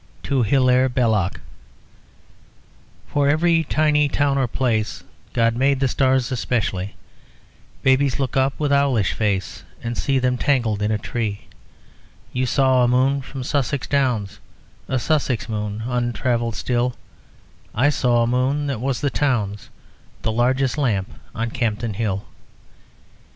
TO HILAIRE BELLOC _For every tiny town or place God made the stars especially; Babies look up with owlish face And see them tangled in a tree: You saw a moon from Sussex Downs, A Sussex moon, untravelled still, I saw a moon that was the town's, The largest lamp on Campden Hill.